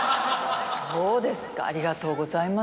そうですかありがとうございます。